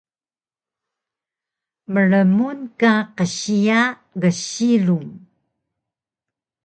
Mrmun ka qsiya gsilung